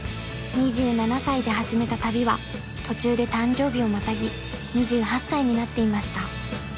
［２７歳で始めた旅は途中で誕生日をまたぎ２８歳になっていました］